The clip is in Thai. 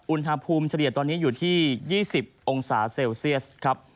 อุณหภูมิเฉลี่ยตอนนี้อยู่ที่๒๐องศาเซลเซียสครับ